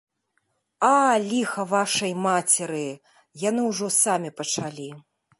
А, ліха вашай мацеры, яны ўжо самі пачалі.